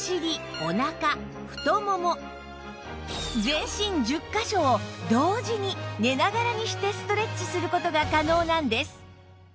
全身１０カ所を同時に寝ながらにしてストレッチする事が可能なんです！